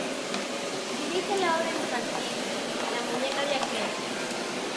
Dirige la obra infantil "La muñeca viajera".